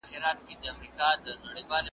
زموږ یې خټه ده اغږلې له تنوره .